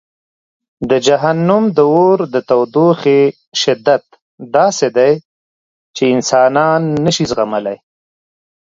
د جهنم د اور د تودوخې شدت داسې دی چې انسانان نه شي زغملی.